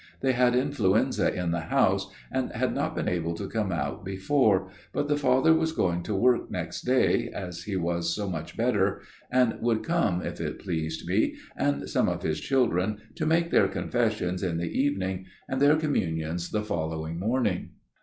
They had had influenza in the house, and had not been able to come out before; but the father was going to work next day, as he was so much better, and would come, if it pleased me, and some of his children to make their confessions in the evening and their communions the following morning.